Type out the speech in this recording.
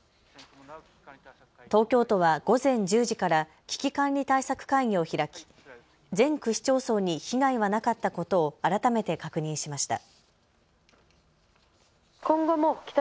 東京都は午前１０時から危機管理対策会議を開き全区市町村に被害はなかったことを改めて確認しました。